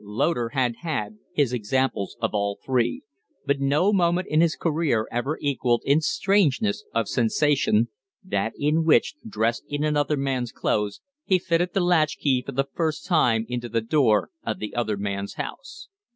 Loder had had his examples of all three, but no moment in his career ever equalled in strangeness of sensation that in which, dressed in another man's clothes, he fitted the latchkey for the first time into the door of the other man's house.